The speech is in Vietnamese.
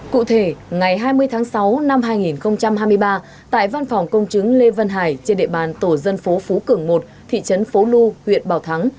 cụ thể ngày hai mươi tháng sáu năm hai nghìn hai mươi ba tại văn phòng công chứng lê văn hải trên địa bàn tổ dân phố phú cường một thị trấn phố lu huyện bảo thắng